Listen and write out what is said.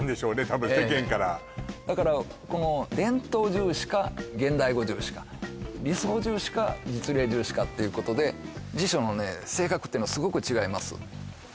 たぶん世間からだからこの伝統重視か現代語重視か理想重視か実例重視かっていうことで辞書のね性格ってのはすごく違います